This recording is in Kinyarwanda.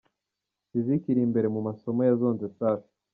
Physique iri imbere mu masomo yazonze Safi .